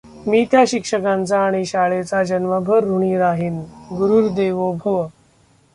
मी त्या शिक्षकांचा आणि शाळेचा जन्मभर ऋणी राहीन, गुरुर देवो भव.